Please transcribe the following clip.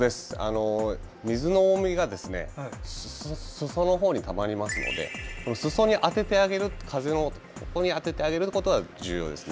水の重みがすそのほうにたまりますので風をすそに当ててあげることが重要ですね。